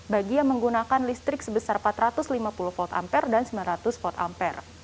bagi yang menggunakan listrik sebesar empat ratus lima puluh volt ampere dan sembilan ratus volt ampere